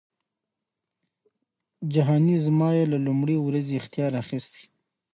جهانی زما یې له لومړۍ ورځی اختیار اخیستی